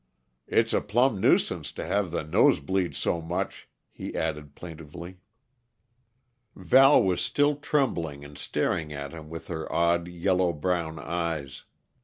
"It's a plumb nuisance to have the nosebleed so much," he added plaintively. Val was still trembling and staring at him with her odd, yellow brown eyes.